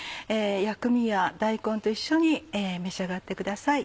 薬味や大根と一緒に召し上がってください。